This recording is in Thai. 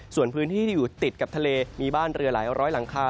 ส่วนพื้นที่ที่อยู่ติดกับทะเลมีบ้านเรือหลายร้อยหลังคา